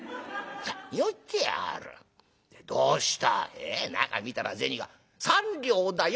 「ええ中見たら銭が三両だよ